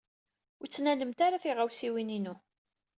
Ur ttnalemt ara tiɣawsiwin-inu!